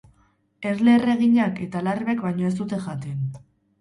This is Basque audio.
Erle erreginak eta larbek baino ez dute jaten.